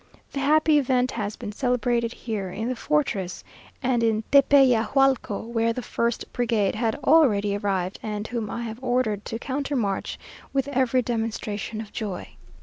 The happy event has been celebrated here, in the fortress, and in Tepeyahualco, where the first brigade had already arrived (and whom I have ordered to countermarch), with every demonstration of joy.